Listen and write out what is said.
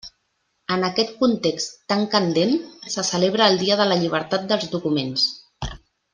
En aquest context tan candent, se celebra el Dia de la Llibertat dels Documents.